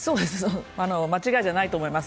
間違いじゃないと思います。